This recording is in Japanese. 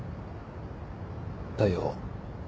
大陽。